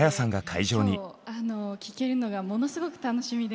今日聴けるのがものすごく楽しみです。